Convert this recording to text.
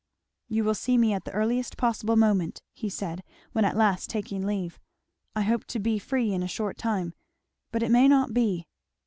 "You will see me at the earliest possible moment," he said when at last taking leave. "I hope to be free in a short time; but it may not be.